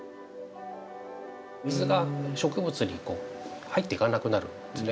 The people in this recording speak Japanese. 水が植物に入っていかなくなるんですね